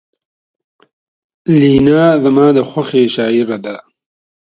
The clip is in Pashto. لینا زما د خوښې شاعره ده